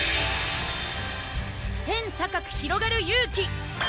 天高くひろがる勇気！